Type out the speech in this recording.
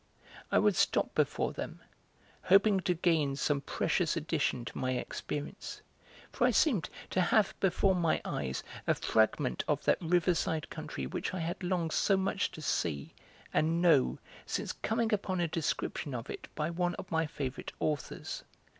I would stop before them, hoping to gain some precious addition to my experience, for I seemed to have before my eyes a fragment of that riverside country which I had longed so much to see and know since coming upon a description of it by one of my favourite authors.